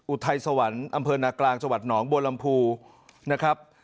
อุทัยสวรรค์อำเภอนากลางจังหวัดหนองบัวลำพูนะครับ